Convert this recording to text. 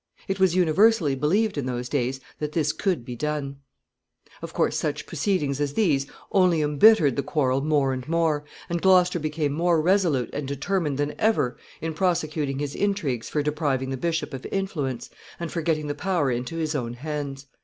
It was universally believed in those days that this could be done. [Sidenote: Position of the king.] Of course, such proceedings as these only embittered the quarrel more and more, and Gloucester became more resolute and determined than ever in prosecuting his intrigues for depriving the bishop of influence, and for getting the power into his own hands.